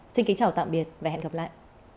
xin kính chào và hẹn gặp lại